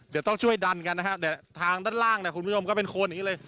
เดี๋ยวต้องช่วยดันกันนะฮะเนี่ยทางด้านล่างเนี่ยคุณผู้ชมก็เป็นโคนอย่างนี้เลย